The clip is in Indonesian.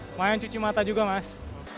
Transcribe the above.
lumayan cuci mata juga mas